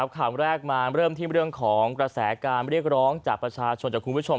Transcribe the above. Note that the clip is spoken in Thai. ข่าวแรกมาเริ่มที่เรื่องของกระแสการเรียกร้องจากประชาชนจากคุณผู้ชม